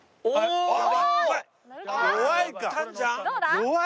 弱い。